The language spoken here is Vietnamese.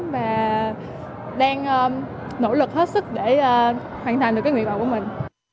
và đang nỗ lực hết sức để hoàn thành được cái nguyện vọng của mình